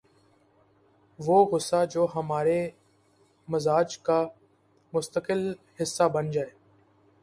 وہ غصہ جو ہمارے مزاج کا مستقل حصہ بن جائے